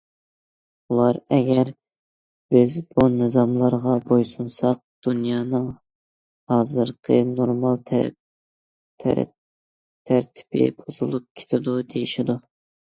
ئۇلار، ئەگەر بىز بۇ نىزاملارغا بۇي سۇنساق، دۇنيانىڭ ھازىرقى نورمال تەرتىپى بۇزۇلۇپ كېتىدۇ، دېيىشىدۇ.